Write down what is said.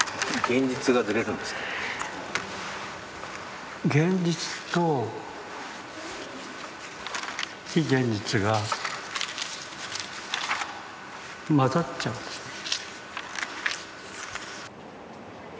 現実と非現実がまざっちゃうんですね。